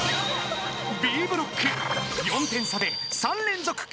［Ｂブロック４点差で３連続］